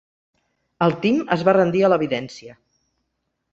El Tim es va rendir a l'evidència.